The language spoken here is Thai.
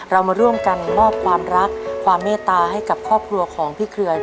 เรามาร่วมกันมอบความรักความเมตตาให้กับครอบครัวของพี่เครือ